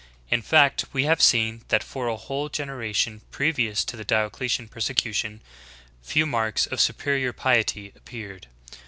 In fact we have seen that for a whole gen eration previous to the [Diocletian] persecution, few marks of superior piety appeared.